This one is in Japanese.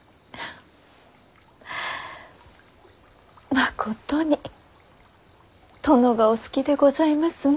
まことに殿がお好きでございますな。